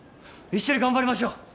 一緒に頑張りましょう。